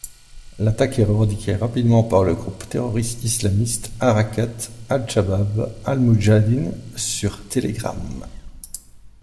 L'attaque est revendiquée rapidement par le groupe terroriste islamiste Harakat al-Chabab al-Moudjahidin sur Telegram.